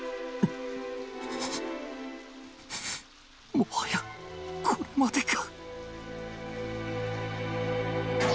もはやこれまでか。